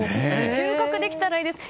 収穫できたらいいですね。